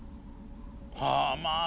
はあまあ